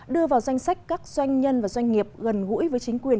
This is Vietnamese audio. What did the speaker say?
đưa vào danh sách các doanh nhân và doanh nghiệp gần gũi với chính quyền